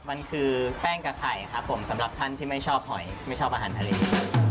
มันคือแป้งกับไข่ครับผมสำหรับท่านที่ไม่ชอบหอยไม่ชอบอาหารทะเล